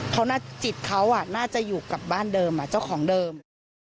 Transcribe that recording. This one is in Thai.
เขาจิตเขาน่าจะอยู่กับบ้านเดิมเจ้าของเดิม